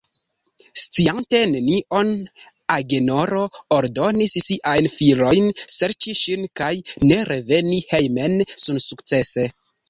Sciante nenion, Agenoro ordonis siajn filojn serĉi ŝin, kaj ne reveni hejmen sensukcese.